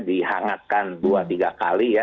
dihangatkan dua tiga kali